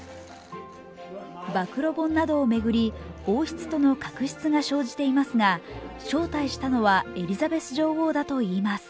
暴露本などを巡り王室との確執が生じていますが招待したのはエリザベス女王だといいます。